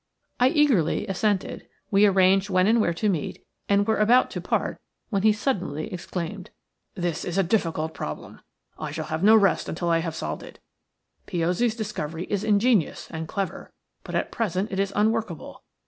I eagerly assented. We arranged when and where to meet, and were about to part when he suddenly exclaimed:– "This is a difficult problem. I shall have no rest until I have solved it. Piozzi's discovery is ingenious and clever, but at present it is unworkable.